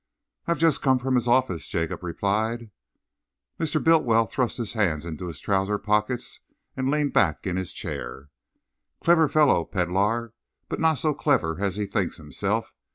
"I've just come from his office," Jacob replied. Mr. Bultiwell thrust his hands into his trousers pockets and leaned back in his chair. "Clever fellow, Pedlar, but not so clever as he thinks himself.